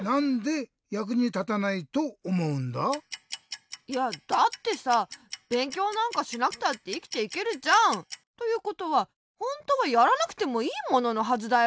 じゃあいやだってさべんきょうなんかしなくたっていきていけるじゃん！ということはほんとはやらなくてもいいもののはずだよ。